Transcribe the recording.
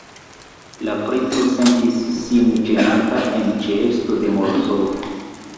La princo sentis sin ĝenata en ĉeesto de Morozov.